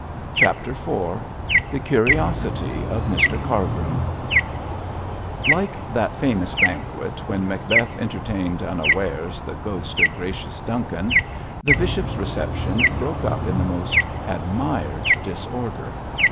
CHAPTER IV THE CURIOSITY OF MR CARGRIM Like that famous banquet, when Macbeth entertained unawares the ghost of gracious Duncan, the bishop's reception broke up in the most admired disorder.